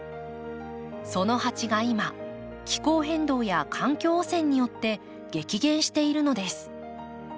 そのハチが今気候変動や環境汚染によって激減しているのです。